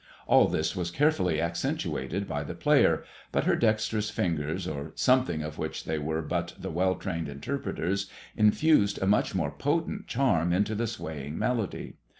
All this was carefully accentuated by the player, but her dexterous fingers, or something of which they were but the well trained interpreters, infused a much more potent charm into the swaying melody.